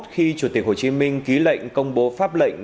khi chủ tịch hồ chí minh ký lệnh công bố pháp lệnh